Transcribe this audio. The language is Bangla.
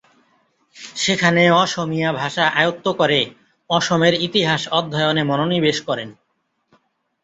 সেখানে অসমীয়া ভাষা আয়ত্ত করে অসমের ইতিহাস অধ্যয়নে মনোনিবেশ করেন।